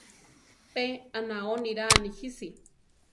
Pe anao niraa nijisi.